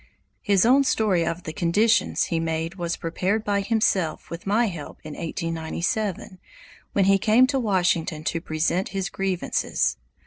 His own story of the conditions he made was prepared by himself with my help in 1897, when he came to Washington to present his grievances.